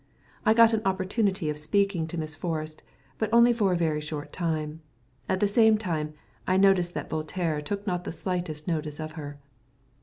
I got an opportunity of speaking to Miss Forrest, but only for a very short time; at the same time, I noticed that Voltaire took not the slightest notice of her.